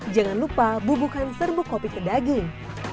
jangan lupa bubukkan serbuk kopi ke daging